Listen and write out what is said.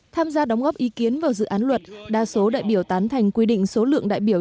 tham gia đóng góp ý kiến vào dự án luật đa số đại biểu tán thành quy định số lượng đại biểu